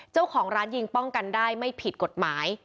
เจ้าของร้านยิงป้องกันได้ไม่ผิดกฎหมาย